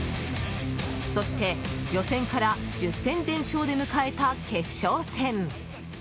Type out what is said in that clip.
そして予選から１０戦全勝で迎えた決勝戦。